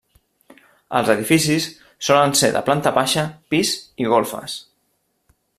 Els edificis solen ser de planta baixa, pis i golfes.